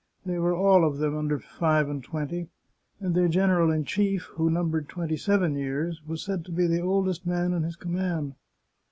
They were all of them under five and twenty, and their general in chief, who numbered twenty seven years, was said to be the oldest man in his command.